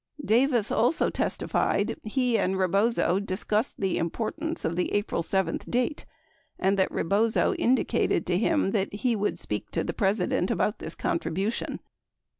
74 Davis also testi fied he and Rebozo discussed the importance of the April 7 date and that Rebozo indicated to him that he would speak to the President about this contribution.